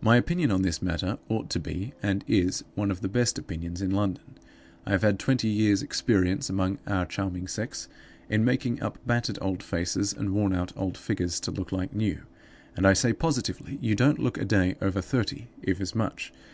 My opinion on this matter ought to be, and is, one of the best opinions in London. I have had twenty years experience among our charming sex in making up battered old faces and wornout old figures to look like new, and I say positively you don't look a day over thirty, if as much.